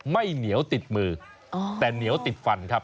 ไม่เหนียวติดมือแต่เหนียวติดฟันครับ